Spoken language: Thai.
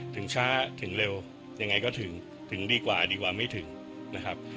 ถึงช้าถึงเร็วยังไงก็ถึงถึงดีกว่าดีกว่าไม่ถึงนะครับ